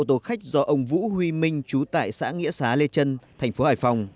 xe ôtô khách do ông vũ huy minh trú tại xã nghĩa xá lê trân thành phố hải phòng